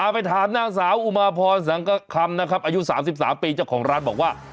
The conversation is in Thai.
ไปถามนางสาวอุมาพรสังกคำนะครับอายุ๓๓ปีเจ้าของร้านบอกว่า